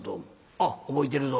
「あっ覚えてるぞ。